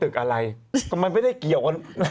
ครั้งเดียว